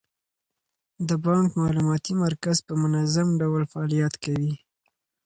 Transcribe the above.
د بانک معلوماتي مرکز په منظم ډول فعالیت کوي.